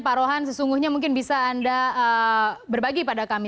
pak rohan sesungguhnya mungkin bisa anda berbagi pada kami